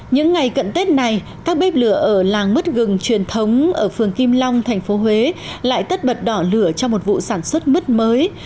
những ngày cận tết này các bếp lửa ở làng mứt gừng truyền thống ở phường kim long tp huế lại tất bật đỏ lửa cho một vụ sản xuất mứt mới